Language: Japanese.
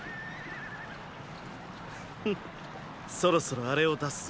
フッそろそろあれを出すぞ。